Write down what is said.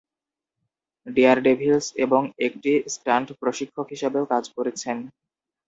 Daredevils এবং একটি stunt প্রশিক্ষক হিসাবেও কাজ করেছেন।